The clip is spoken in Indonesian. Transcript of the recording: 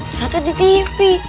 ternyata di tv